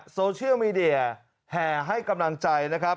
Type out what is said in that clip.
โซเชียลมีเดียแห่ให้กำลังใจนะครับ